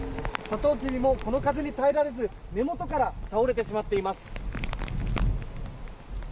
サトウキビもこの風に耐え切れず根元から倒れてしまっています。